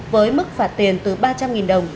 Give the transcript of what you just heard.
với mức phạt tiền từ ba trăm linh đồng